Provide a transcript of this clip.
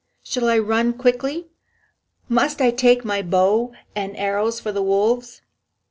Shall I run quickly? Must I take my bow and arrows for the wolves?"